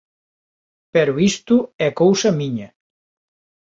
Pero isto é cousa miña.